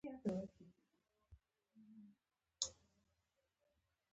ځینې سندرې د تاریخ یاد تازه کوي.